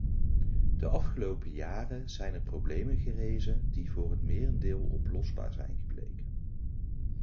De afgelopen jaren zijn er problemen gerezen die voor het merendeel oplosbaar zijn gebleken.